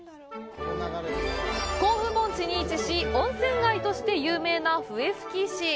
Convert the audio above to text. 甲府盆地に位置し、温泉街として有名な笛吹市。